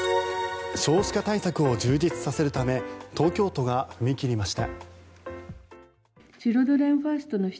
少子化対策を充実させるため東京都が踏み切りました。